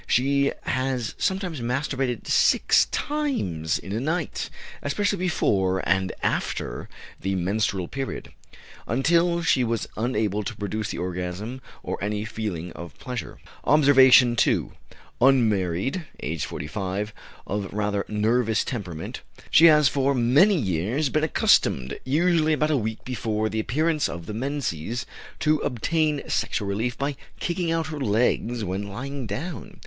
She has sometimes masturbated six times in a night, especially before and after the menstrual period, until she was unable to produce the orgasm or any feeling of pleasure. OBSERVATION II. Unmarried, aged 45, of rather nervous temperament. She has for many years been accustomed, usually about a week before the appearance of the menses, to obtain sexual relief by kicking out her legs when lying down.